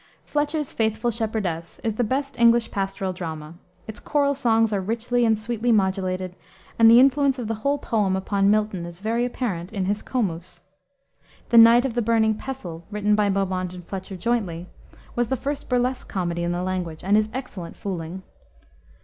Fletcher's Faithful Shepherdess is the best English pastoral drama. Its choral songs are richly and sweetly modulated, and the influence of the whole poem upon Milton is very apparent in his Comus. The Knight of the Burning Pestle, written by Beaumont and Fletcher jointly, was the first burlesque comedy in the language, and is excellent fooling.